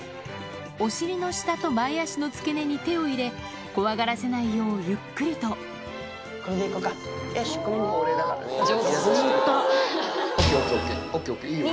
お尻の下と前足の付け根に手を入れ怖がらせないようゆっくりとＯＫＯＫＯＫいいよ。